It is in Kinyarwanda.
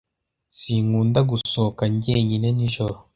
Sinkunda gusohoka jyenyine nijoro.